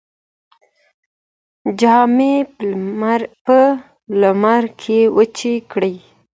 جامې په لمر کې وچې کړئ.